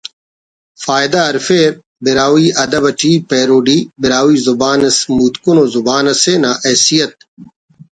فائدہ ارفیر براہوئی ادب اٹی پیروڈی براہوئی زبان اسہ متکن ءُ زبان اسے نا حیثیت